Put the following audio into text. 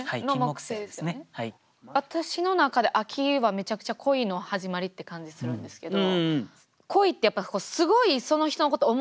私の中で秋はめちゃくちゃ恋の始まりって感じするんですけど。